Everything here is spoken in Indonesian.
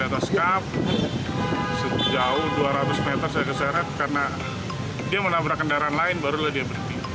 di atas kap sejauh dua ratus meter saya keseret karena dia menabrak kendaraan lain barulah dia berhenti